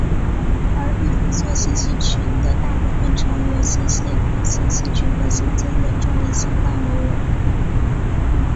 而玉夫座星系群的大部分成员星系和星系群核心间的重力相当微弱。